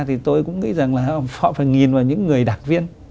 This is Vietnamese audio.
thì tôi cũng nghĩ rằng là họ phải nhìn vào những người đặc viên